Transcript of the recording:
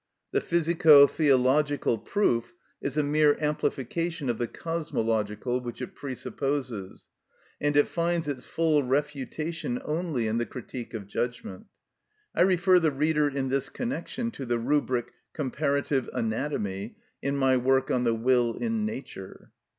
The physico theological proof is a mere amplification of the cosmological, which it presupposes, and it finds its full refutation only in the "Critique of Judgment." I refer the reader in this connection to the rubric, "Comparative Anatomy," in my work on the Will in Nature.